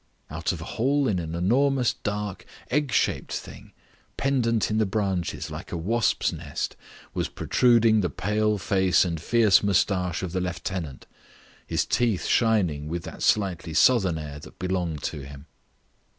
Out of a hole in an enormous dark egg shaped thing, pendent in the branches like a wasps' nest, was protruding the pale face and fierce moustache of the lieutenant, his teeth shining with that slightly Southern air that belonged to him.